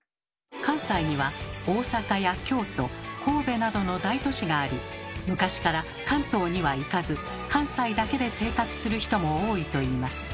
関西には大阪や京都神戸などの大都市があり昔から関東には行かず関西だけで生活する人も多いといいます。